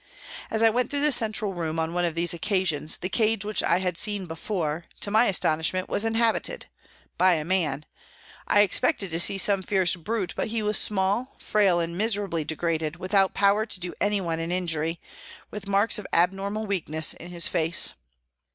As I went through the central room on one of these occasions, the cage which I had seen before, to my astonishment, was inhabited by a man, I expected to see some fierce brute, but he was small, frail and miserably degraded, without power to do anyone an injury, with marks of abnor mal weakness in his face.